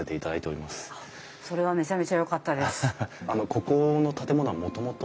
ここの建物はもともと？